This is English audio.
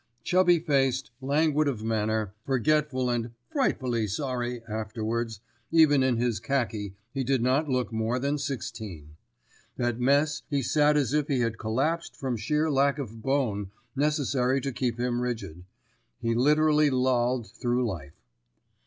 Chubby faced, languid of manner, forgetful and "frightfully sorry" afterwards, even in his khaki he did not look more than sixteen. At mess he sat as if he had collapsed from sheer lack of bone necessary to keep him rigid. He literally lolled through life.